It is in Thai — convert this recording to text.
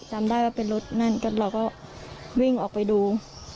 จำได้ว่าเป็นรถนั่นก็เราก็วิ่งออกไปดู